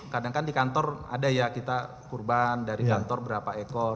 kadang kan di kantor ada ya kita kurban dari kantor berapa ekor